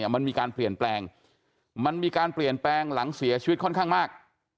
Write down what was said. มันมีการเปลี่ยนแปลงมันมีการเปลี่ยนแปลงหลังเสียชีวิตค่อนข้างมาก